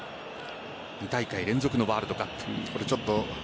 ２大会連続のワールドカップ。